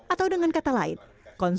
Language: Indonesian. atau dengan kata lain